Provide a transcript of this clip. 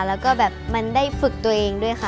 แล้วก็แบบมันได้ฝึกตัวเองด้วยค่ะ